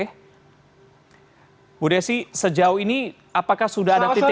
ibu desi sejauh ini apakah sudah ada titik titik